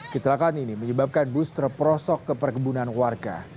kecelakaan ini menyebabkan bus terperosok ke perkebunan warga